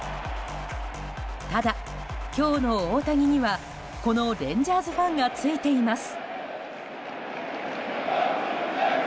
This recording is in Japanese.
ただ、今日の大谷にはこのレンジャーズファンがついています。